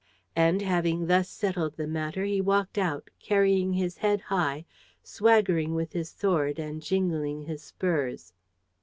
And, having thus settled the matter, he walked out, carrying his head high, swaggering with his sword and jingling his spurs.